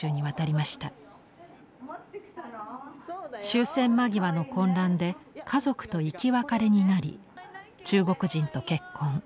終戦間際の混乱で家族と生き別れになり中国人と結婚。